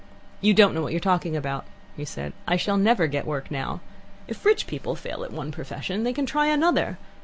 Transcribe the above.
"You don't know what you're talking about," he said. "I shall never get work now. If rich people fail at one profession, they can try another.